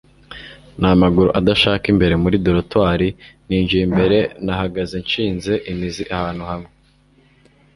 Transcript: n'amaguru adashaka imbere muri dortoir. ninjiye imbere, nahagaze nshinze imizi ahantu hamwe